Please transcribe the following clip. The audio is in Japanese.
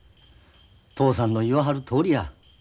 嬢さんの言わはるとおりや。